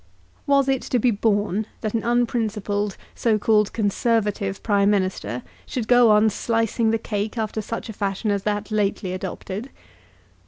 Was it to be borne that an unprincipled so called Conservative Prime Minister should go on slicing the cake after such a fashion as that lately adopted?